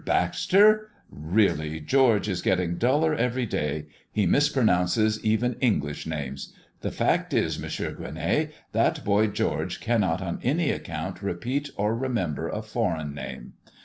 Baxter! Really George is getting duller every day; he mispronounces even English names. The fact is, Mons. Gueronnay, that boy George cannot on any account repeat or remember a foreign name.